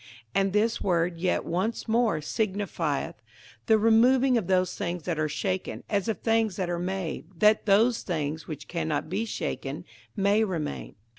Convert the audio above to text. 58:012:027 And this word, Yet once more, signifieth the removing of those things that are shaken, as of things that are made, that those things which cannot be shaken may remain.